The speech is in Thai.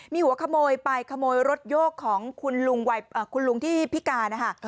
มีหัวขโมยไปขโมยรถโยกของคุณลุงที่พิการนะคะ